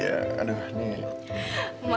ya gak apa apa aku juga